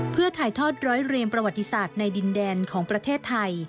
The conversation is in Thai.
เพื่อถ่ายทอดร้อยเรียงประวัติศาสตร์ในดินแดนของประเทศไทย